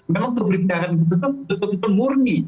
memang pemerintahan kita itu tetap murni